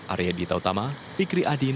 arya dita utama fikri adin